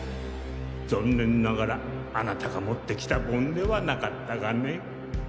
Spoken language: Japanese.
残念ながらあなたが持ってきた盆ではなかったがね